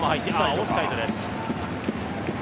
オフサイドです。